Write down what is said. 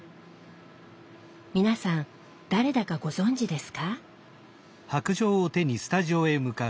皆さん誰だかご存じですか？